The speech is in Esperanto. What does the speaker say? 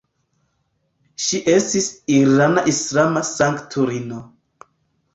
Ŝi estis irana islama sanktulino.